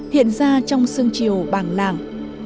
hiện ra trong sương chiều bảng lảng